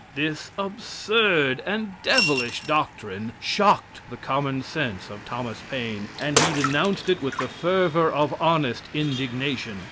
This absurd and devilish doctrine shocked the common sense of Thomas Paine, and he denounced it with the fervor of honest indignation.